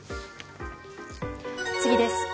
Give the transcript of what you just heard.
次です。